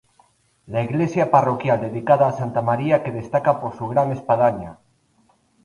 La iglesia parroquial, dedicada a Santa María que destaca por su gran espadaña.